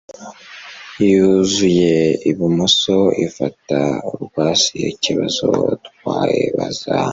yuzuye ibumoso ifata urwasayaikibazo twibaza